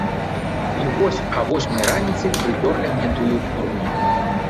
І вось а восьмай раніцы прыпёрлі мне тую урну.